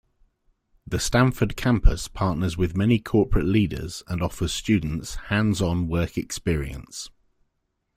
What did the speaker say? The Stamford Campus partners with many corporate leaders and offers students hands-on work experience.